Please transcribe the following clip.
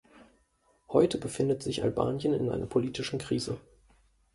Heute befindet sich Albanien in einer politischen Krise.